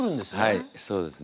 はいそうですね。